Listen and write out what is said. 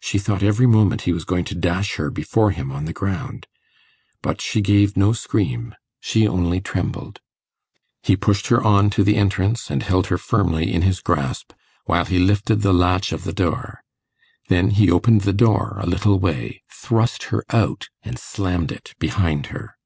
She thought every moment he was going to dash her before him on the ground. But she gave no scream she only trembled. He pushed her on to the entrance, and held her firmly in his grasp while he lifted the latch of the door. Then he opened the door a little way, thrust her out, and slammed it behind her.